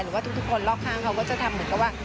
ว่าทุกคนรอบข้างเขาก็จะทำเหมือนกับว่า